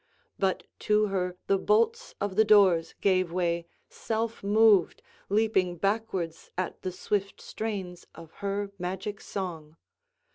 But to her the bolts of the doors gave way self moved, leaping backwards at the swift strains of her magic song.